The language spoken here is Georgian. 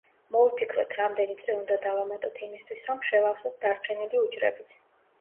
მოვიფიქროთ რამდენი წრე უნდა დავამატოთ იმისთვის, რომ შევავსოთ დარჩენილი უჯრებიც.